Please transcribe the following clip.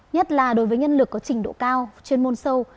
nhất là đối với nhân lực có trình độ cao chuyên môn sâu